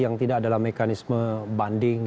yang tidak adalah mekanisme banding